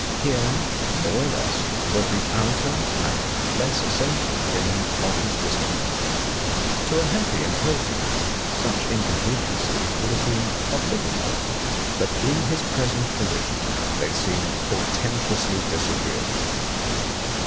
Here, more or less, was the outer and less essential ring of his discontent ; to a happy and healthy man such inconveniences would have been of little moment, but in his present position they seemed portentously disagreeable.